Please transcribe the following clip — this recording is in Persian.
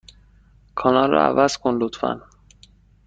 کانال را عوض کن، لطفا.